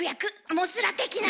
モスラ的な。